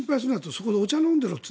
そこでお茶を飲んでいろと。